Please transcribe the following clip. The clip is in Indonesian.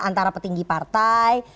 antara petinggi partai